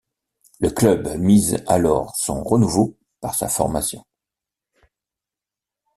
Le club mise alors son renouveau par sa formation.